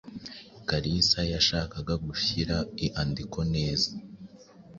Kalisa yashakaga gushyira iandiko neza.